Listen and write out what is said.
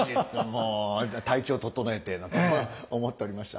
もう体調を整えて」なんて思っておりました。